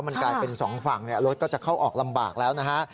มันกลายเป็นสองฝั่งรถก็จะเข้าออกลำบากแล้วนะฮะ